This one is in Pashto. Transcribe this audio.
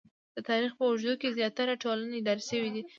د تاریخ په اوږدو کې زیاتره ټولنې اداره شوې دي